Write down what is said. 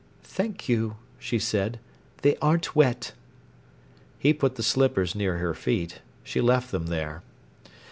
"Thank you," she said. "They aren't wet." He put the slippers near her feet. She left them there.